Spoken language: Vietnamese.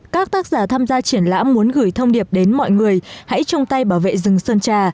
các tác giả tham gia triển lãm muốn gửi thông điệp đến mọi người hãy chung tay bảo vệ rừng sơn trà